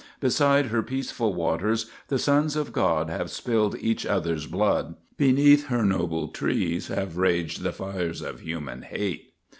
Beside her peaceful waters the sons of God have spilled each other's blood. Beneath her noble trees have raged the fires of human hate.